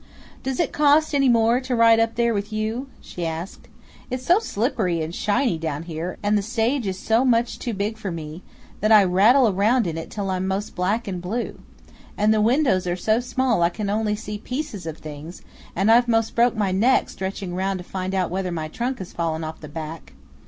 "Does it cost any more to ride up there with you?" she asked. "It's so slippery and shiny down here, and the stage is so much too big for me, that I rattle round in it till I'm 'most black and blue. And the windows are so small I can only see pieces of things, and I've 'most broken my neck stretching round to find out whether my trunk has fallen off the back.